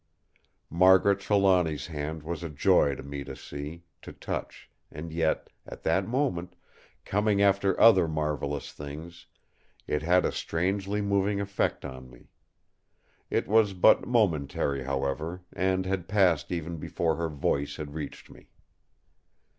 Margaret Trelawny's hand was a joy to me to see—to touch; and yet at that moment, coming after other marvellous things, it had a strangely moving effect on me. It was but momentary, however, and had passed even before her voice had reached me.